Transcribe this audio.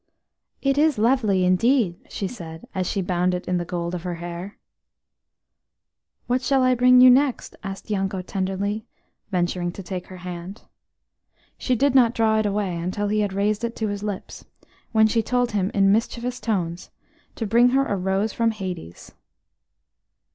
"It is lovely indeed," she said, as she bound it in the gold of her hair. "What shall I bring you next?" asked Yanko tenderly, venturing to take her hand. She did not draw it away until he had raised it to his lips, when she told him in mischievous tones to bring her a rose from Hades.